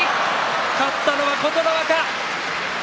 勝ったのは琴ノ若。